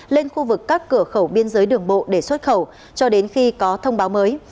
lên khu vực các cửa khẩu biên giới đường bộ để xuất khẩu cho đến khi có thông báo mới